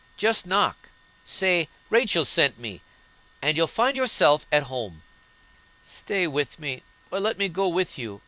"Just knock, say 'Rachel sent me,' and you'll find yourself at home." "Stay with me, or let me go with you.